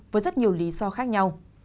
với rất nhiều lý do khác nhau